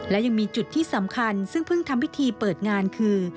และยังมีจุดที่สำคัญซึ่งเพิ่งทำพิธีเปิดงานคือ